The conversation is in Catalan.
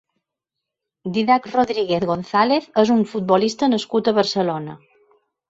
Didac Rodríguez González és un futbolista nascut a Barcelona.